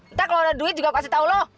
ntar kalau ada duit juga kasih tau lo